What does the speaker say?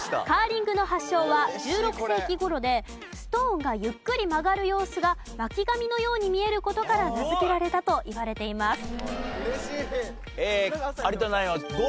カーリングの発祥は１６世紀頃でストーンがゆっくり曲がる様子が巻き髪のように見える事から名付けられたといわれています。